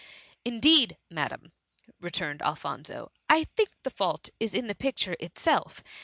*"*^ Indeed, Madam," returned Alphonso, ^* I think the fault is in the picture itself.